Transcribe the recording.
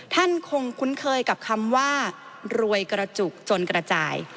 ท่านคงคุ้นเคยกับคำว่ารวยกระจุกจนกระจาย